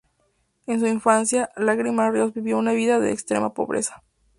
En su infancia, Lágrima Ríos vivió una vida de extrema pobreza.